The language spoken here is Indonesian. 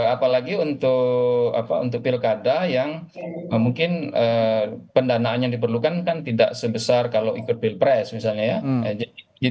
apalagi untuk pilkada yang mungkin pendanaan yang diperlukan kan tidak sebesar kalau ikut pilpres misalnya ya